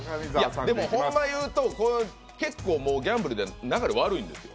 でも、ほんま言うと結構、ギャンブルでは流れ悪いんですよ。